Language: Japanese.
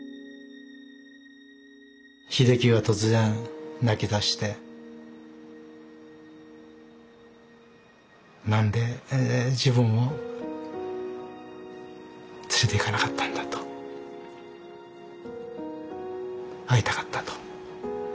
秀樹が突然泣き出して何で自分を連れていかなかったんだと会いたかったと。